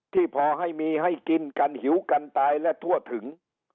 ที่พอให้มีให้กินกันหิวกันตายและทั่วถึง